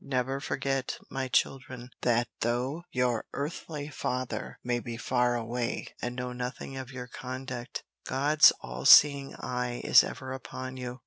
Never forget, my children, that though your earthly father may be far away and know nothing of your conduct, God's all seeing eye is ever upon you."